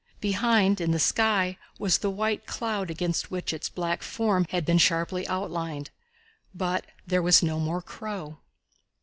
Behind, in the sky, was the white cloud against which its black form had been sharply outlined, but there was no more crow.